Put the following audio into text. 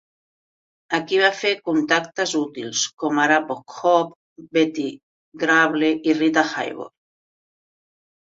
Aquí va fer contactes útils, com ara Bob Hope, Betty Grable i Rita Hayworth.